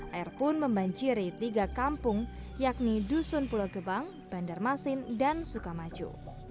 air pun membanjiri tiga kampung yakni dusun pulau gebang bandar masin dan sukamaju